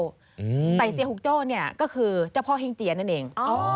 แต่เซียหุกโจ้เนี่ยก็คือเจ้าพ่อเฮ่งเจียนั่นเอง